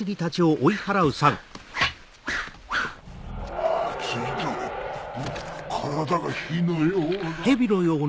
熱いぞ体が火のようだ。